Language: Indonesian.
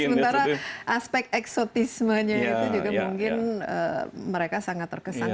sementara aspek eksotismenya itu juga mungkin mereka sangat terkesan